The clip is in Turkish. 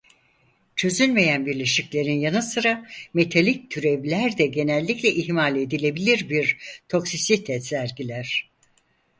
Çözünmeyen bileşiklerin yanı sıra metalik türevler de genellikle ihmal edilebilir bir toksisite sergiler.